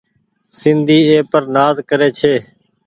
سندي اي پر نآز ڪري ڇي ۔